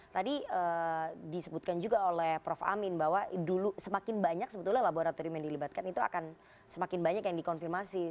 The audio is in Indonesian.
tadi disebutkan juga oleh prof amin bahwa dulu semakin banyak sebetulnya laboratorium yang dilibatkan itu akan semakin banyak yang dikonfirmasi